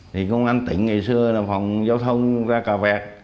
thì công an tỉnh ngày xưa là phòng giao thông ra cà vẹt